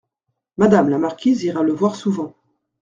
Madame la marquise ira le voir souvent.